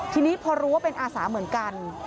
ทีนี้พอรู้ว่าเป็นอาสาเหมือนกัน